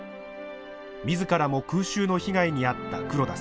自らも空襲の被害に遭った黒田さん。